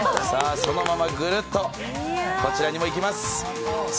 そのままぐーっとこちらにもいきます。